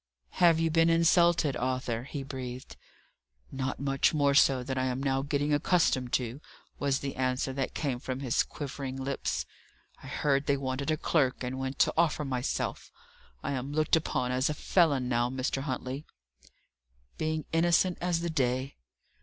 "Have you been insulted, Arthur?" he breathed. "Not much more so than I am now getting accustomed to," was the answer that came from his quivering lips. "I heard they wanted a clerk, and went to offer myself. I am looked upon as a felon now, Mr. Huntley." "Being innocent as the day."